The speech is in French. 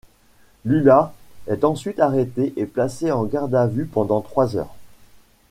Lula est ensuite arrêté et placé en garde à vue pendant trois heures.